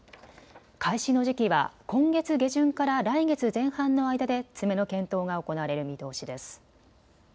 開始の時期は今月下旬から来月前半の間で詰めの検討が行われる見通しです。